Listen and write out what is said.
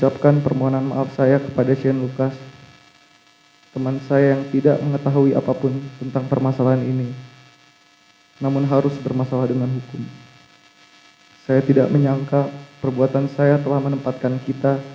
perbuatan saya telah menempatkan kita